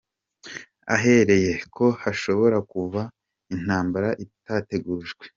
ahereye ko hashobora kuvuka intambara itategujwe”.